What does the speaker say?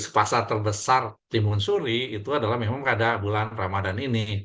pasar terbesar timun suri itu adalah memang pada bulan ramadan ini